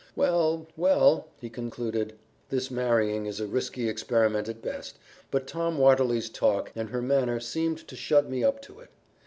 "Well, well!" he concluded, "this marrying is a risky experiment at best, but Tom Watterly's talk and her manner seemed to shut me up to it.